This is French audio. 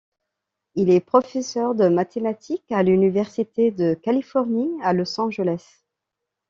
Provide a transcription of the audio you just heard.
Il est professeur de mathématiques à l'Université de Californie à Los Angeles.